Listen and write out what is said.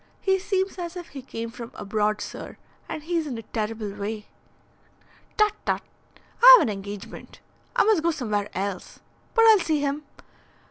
He seems as if he came from abroad, sir. And he's in a terrible way." "Tut, tut! I have an engagement. I must go somewhere else. But I'll see him.